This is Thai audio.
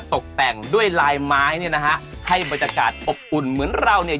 ตกแต่งด้วยลายไม้เนี่ยนะฮะให้บรรยากาศอบอุ่นเหมือนเราเนี่ย